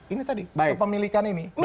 ini tadi pemilikan ini